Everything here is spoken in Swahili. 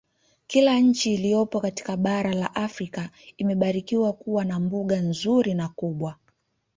Kila nchi iliyopo katika bara la Afrika imebarikiwa kuwa na mbuga nzuri na kubwa